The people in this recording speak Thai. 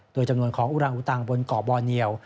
โดยจำนวนของอุรังอุตังบนเกาะบอเนียว